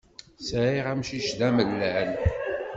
Sɛiɣ amcic d amellal.